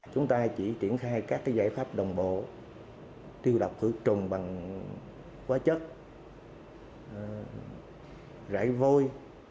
chúng ta chỉ triển khai các giải pháp đồng bộ tiêu đọc hữu trùng bằng quá chất rải vôi